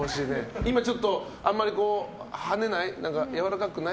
今ちょっとあんまり跳ねない？